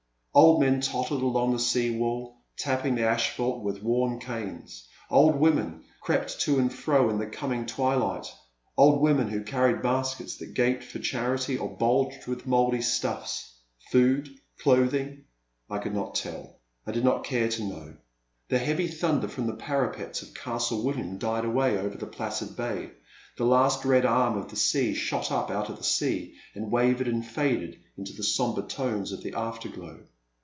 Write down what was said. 337 Old men tottered along the sea wall, tapping the asphalt with worn canes, old women crept to and fro in the coming twilight, — old women who carried baskets that gaped for charity or bulged with mouldy stuflfs, — ^food, clothing ?— I could not tell ; I did not care to know. The heavy thunder from the parapets of Castle William died away over the placid bay, the last red arm of the sun shot up out of the sea, and wavered and faded into the sombre tones of the afterglow.